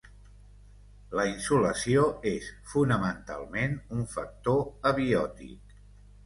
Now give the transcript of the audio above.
La insolació és fonamentalment un factor abiòtic.